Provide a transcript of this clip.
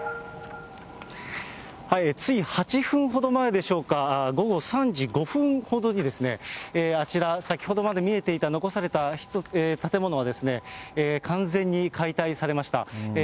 つい８分ほど前でしょうか、午後３時５分ほどに、あちら、先ほどまで見えていた、残された建物はですね、完全に解体されました。